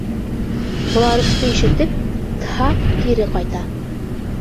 Боларышты ишетеп, Тһа кире ҡайта.